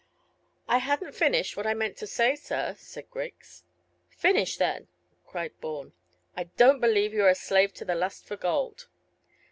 "I hadn't finished what I meant to say, sir," said Griggs. "Finish then," cried Bourne. "I don't believe you are a slave to the lust for gold."